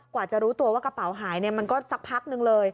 กว่าจะรู้ตัวว่ากระเป๋าหายมันก็สักพักนึงเลย